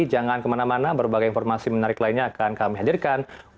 jangan kemana mana berbagai informasi menarik lainnya akan kami hadirkan